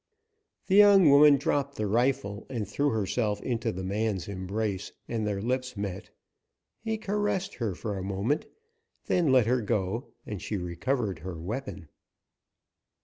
The young woman dropped the rifle and threw herself into the man's embrace, and their lips met. He caressed her for a moment, then let her go and she recovered her weapon.